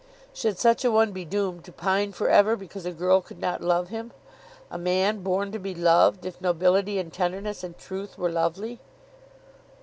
Should such a one be doomed to pine for ever because a girl could not love him, a man born to be loved, if nobility and tenderness and truth were lovely!